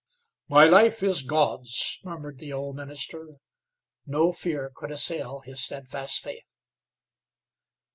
"My life is God's," murmured the old minister. No fear could assail his steadfast faith.